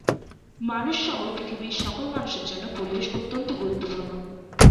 মানুষসহ পৃথিবীর সকল মানুষের জন্য পরিবেশ অত্যন্ত গুরুত্বপূর্ণ।